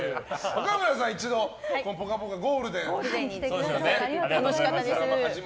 若村さんは一度、「ぽかぽかゴールデン」に。